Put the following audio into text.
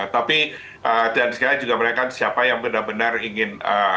tapi dan sekarang juga mereka siapa yang benar benar ingin